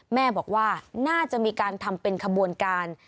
แม่บอกว่าน่าจะมีการทำเป็นขบวนการ